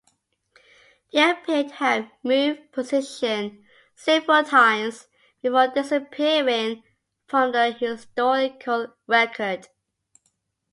They appear to have moved position several times before disappearing from the historical record.